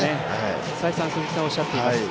再三、鈴木さんがおっしゃっています。